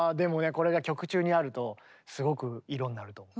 これが曲中にあるとすごく色になると思う。